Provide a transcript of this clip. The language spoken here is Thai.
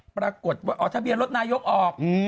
ปรากฏว่าเอาทะเบียนรถนายกออก